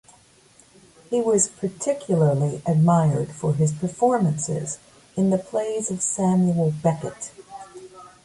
He was particularly admired for his performances in the plays of Samuel Beckett.